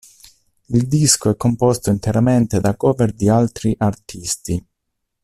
Il disco è composto interamente da cover di altri artisti.